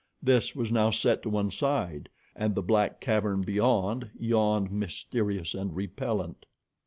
This was now set to one side, and the black cavern beyond yawned mysterious and repellent.